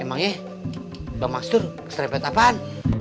emangnya bang mastur keserempet apaan